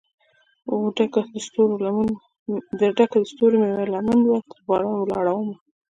ډکه دستورومې لمن وه ترباران ولاړ مه